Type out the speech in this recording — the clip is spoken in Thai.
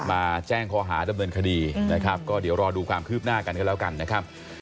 มาแจ้งข้อหาดำเนินคดีนะครับก็เดี๋ยวรอดูความคืบหน้ากันกันแล้วกันนะครับ